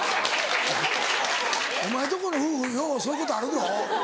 お前のとこの夫婦ようそういうことあるぞ。